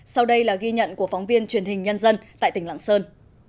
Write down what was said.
sau đây là ghi nhận của phóng viên truyền hình nhân dân tại tỉnh lạng sơn